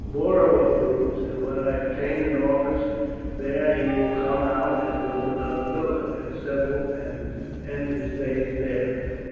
Muro approves, and when I obtain an office there he will come out and build another villa, and settle and end his days there.